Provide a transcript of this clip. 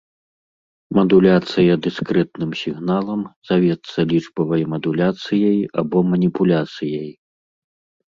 Мадуляцыя дыскрэтным сігналам завецца лічбавай мадуляцыяй або маніпуляцыяй.